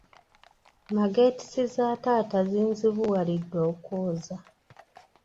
Mageetisi za taata zinzibuwalidde okwoza.